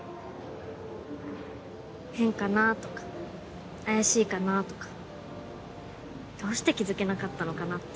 「変かな」とか「怪しいかな」とかどうして気付けなかったのかなって。